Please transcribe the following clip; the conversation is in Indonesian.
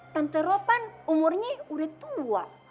tante ropan umurnya udah tua